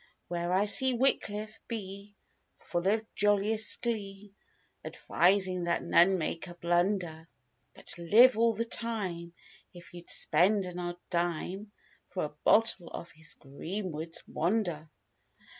Where I see Wickliffe Bee, full of jolliest glee. Advising that none make a blunder. But, live all the time, if you'd spend an odd dime. For a bottle of his "Greenwood's wonder."